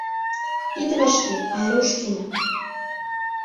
Ит вашке, Айрушкина.